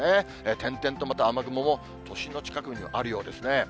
点々とまた、雨雲も都心の近くにあるようですね。